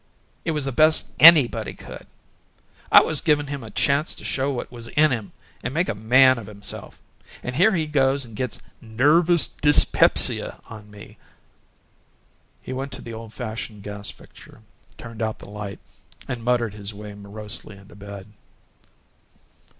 It was the best ANYBODY could! I was givin' him a chance to show what was in him and make a man of himself and here he goes and gets 'nervous dyspepsia' on me!" He went to the old fashioned gas fixture, turned out the light, and muttered his way morosely into bed.